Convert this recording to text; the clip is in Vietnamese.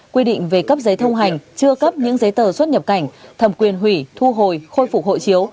quy định về cấp giấy thông hành chưa cấp những giấy tờ xuất nhập cảnh thẩm quyền hủy thu hồi khôi phục hộ chiếu